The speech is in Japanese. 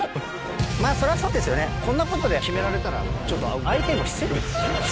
それはそうですよねこんなことで決められたらちょっと相手にも失礼ですしね。